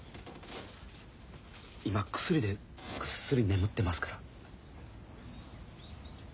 今薬でぐっすり眠ってますから。